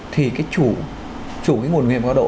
thì cái chủ cái nguồn nguy hiểm cao độ